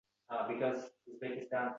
Xayol surib ketar